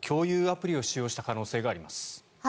アプリを使用した可能性があります。